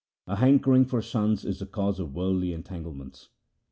A hankering for sons is the cause of worldly entanglements.'